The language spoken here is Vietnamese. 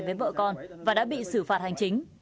với vợ con và đã bị xử phạt hành chính